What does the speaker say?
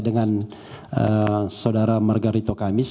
dengan saudara margarito kamis